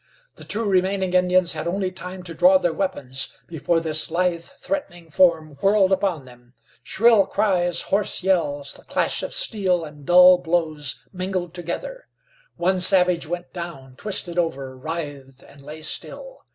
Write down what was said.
The two remaining Indians had only time to draw their weapons before this lithe, threatening form whirled upon them. Shrill cries, hoarse yells, the clash of steel and dull blows mingled together. One savage went down, twisted over, writhed and lay still.